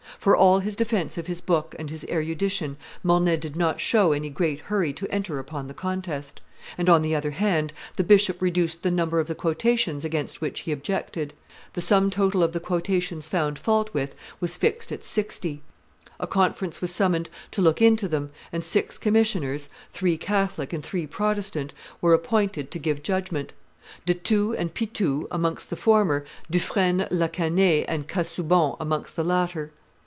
For all his defence of his book and his erudition, Mornay did not show any great hurry to enter upon the contest; and, on the other hand, the bishop reduced the number of the quotations against which he objected. The sum total of the quotations found fault with was fixed at sixty. A conference was summoned to look into them, and six commissioners, three Catholic and three Protestant, were appointed to give judgment; De Thou and Pithou amongst the former, Dufresne la Canaye and Casaubon amongst the latter.